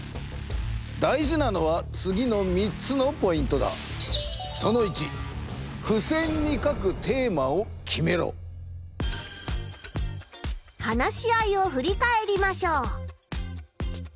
大事なのは次の３つのポイントだ！話し合いをふり返りましょう。